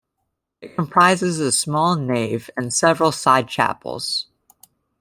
It comprises a small nave and several side chapels.